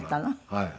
はい。